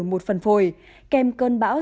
một phần phổi kèm cơn bão